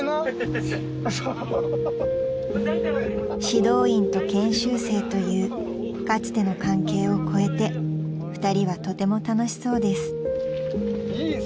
［指導員と研修生というかつての関係を超えて２人はとても楽しそうです］